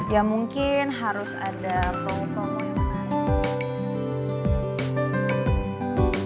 ya mungkin harus ada pemu pemu yang menarik